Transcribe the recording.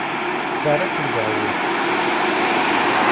Terra-tt deg uɛewwiq.